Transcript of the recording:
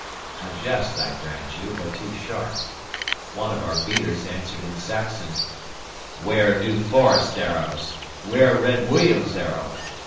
A jest, I grant you, but too sharp. One of our beaters answered in Saxon: "'Ware New Forest arrows! 'Ware Red William's arrow!"